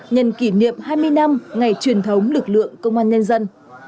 nhân kỷ niệm hai mươi năm ngày truyền thống lực lượng công an nhân dân